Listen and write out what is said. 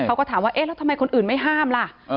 เขาก็ถามว่าเอ๊ะแล้วทำไมคนอื่นไม่ห้ามล่ะ